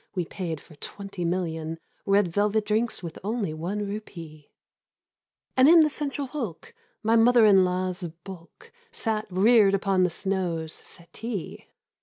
We paid for twenty million Red velvet drinks with only one rupee, And in the central hulk My mother in law's bulk Sat reared upon the snow's settee.